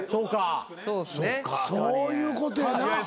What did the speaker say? そういうことやな。